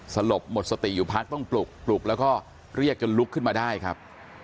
สลบหมดสติอยู่พักต้องปลุกปลุกแล้วก็เรียกจนลุกขึ้นมาได้ครับ